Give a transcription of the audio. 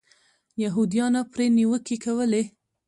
یهودیانو پرې نیوکې کولې.